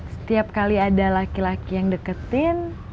setiap kali ada laki laki yang deketin